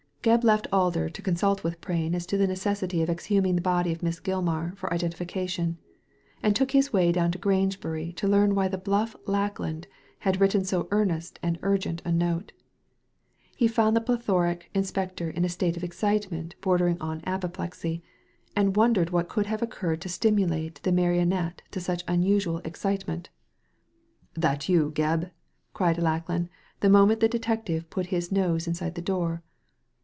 Gebb left Alder to consult with Prain as to the necessity of exhuming the body of Miss Gilmar for identification, and took his way down to Grange bury to learn why the bluff Lackland had written so earnest and urgent a note. He found the plethoric inspector in a state of excitement bordering on apoplexy, and wondered what could have occurred to stimulate the martinet to such unusual excitement " That you, Gebb ?" cried Lackland, the moment the detective put his nose inside the door.